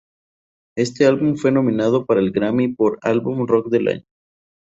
Este álbum fue nominado para el Grammy por "Álbum Rock del Año".